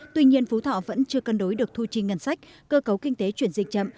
tuy nhiên phú thọ vẫn chưa cân đối được thu chi ngân sách cơ cấu kinh tế chuyển dịch chậm